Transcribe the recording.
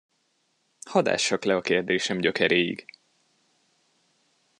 Hadd ássak le a kérdésem gyökeréig!